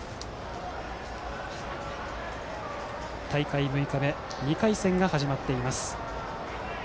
大会６日目２回戦が始まっています。